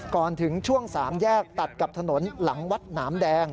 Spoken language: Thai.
ก่อนถึงช่วง๓แยกตัดกับถนนหลังวัดหนามแดง